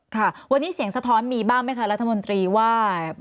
ค่ะวันนี้เสียงสะท้อนมีบ้างไหมคะรัฐมนตรีว่า